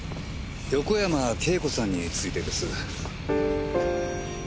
横山慶子さんについてです。